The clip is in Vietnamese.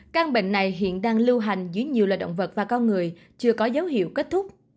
căn bệnh này hiện đang lưu hành dưới nhiều loài động vật và con người chưa có dấu hiệu kết thúc